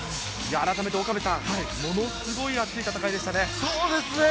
あらためて岡部さん、ものすごい熱い戦いでしたね。